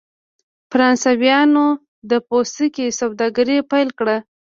فرانسویانو د پوستکي سوداګري پیل کړه.